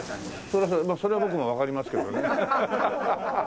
そりゃそうそれは僕もわかりますけどね。